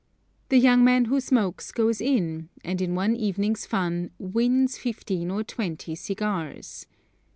The young man who smokes goes in and in one evening's fun, "wins" fifteen or twenty cigars.